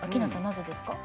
なぜですか？